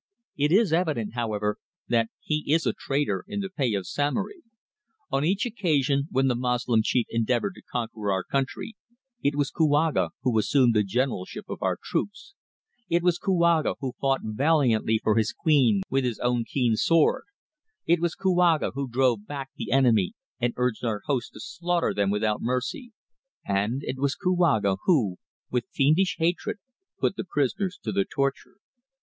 "It is evident, however, that he is a traitor in the pay of Samory. On each occasion when the Moslem chief endeavoured to conquer our country, it was Kouaga who assumed the generalship of our troops; it was Kouaga who fought valiantly for his queen with his own keen sword; it was Kouaga who drove back the enemy and urged our hosts to slaughter them without mercy; and it was Kouaga who, with fiendish hatred, put the prisoners to the torture.